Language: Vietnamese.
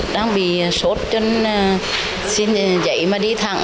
đang bị sốt cho nên xin giấy mà đi thẳng